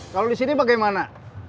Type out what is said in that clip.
lalu di sini bagaimana